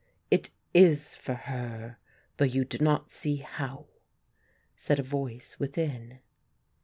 "It is for her, though you do not see how," said a voice within.